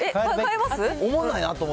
おもろないなと思って。